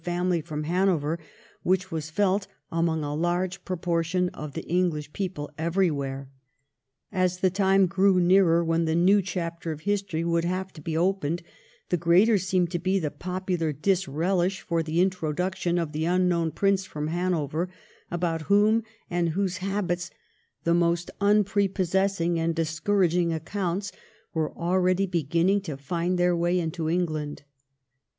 family from Hanover whicli was felt among a large proportion of the English people everywhere. As the time grew nearer when the new chapter of history would have to be opened, the greater seemed to be the popular disrelish for the introduction of the unknown Prince from Hanover, about whom and whose habits the most unprepossessing and dis couraging accounts were already beginning to find their way into England.